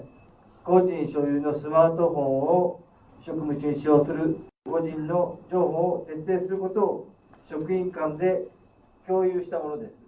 個人所有のスマートフォンを職務中に使用する、個人の情報を徹底することを、職員間で共有したものです。